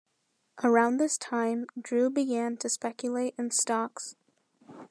Around this time, Drew began to speculate in stocks.